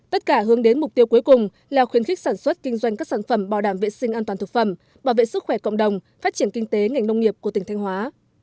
tất cả hướng đến mục tiêu cuối cùng là khuyến khích sản xuất kinh doanh các sản phẩm bảo đảm vệ sinh an toàn thực phẩm bảo vệ sức khỏe cộng đồng phát triển kinh tế ngành nông nghiệp của tỉnh thanh hóa